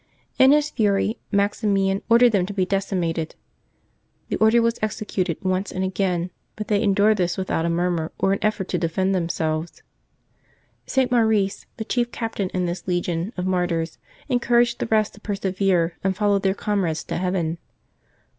In his fury Maximian ordered them to be deci mated. The order was executed once and again, but they endured this without a murmur or an effort to defend themselves. St. Maurice, the chief captain in this legion of martyrs, encouraged the rest to persevere and follow their comrades to heaven.